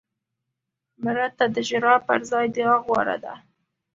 مړه ته د ژړا پر ځای دعا غوره ده